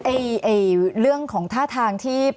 เรื่องของท่าทางที่